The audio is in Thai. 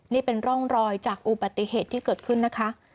นี่เป็นร่องรอยจากอุบัติเหตุที่เกิดขึ้นนะคะ